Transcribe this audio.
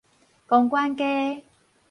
公館街